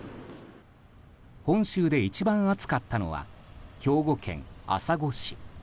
本州で一番暑かったのは兵庫県朝来市。